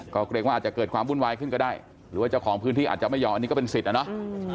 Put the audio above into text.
ก็เกรงว่าอาจจะเกิดความวุ่นวายขึ้นก็ได้หรือว่าเจ้าของพื้นที่อาจจะไม่ยอมอันนี้ก็เป็นสิทธิ์นะเนาะ